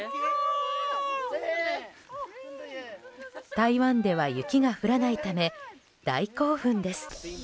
台湾では雪が降らないため大興奮です。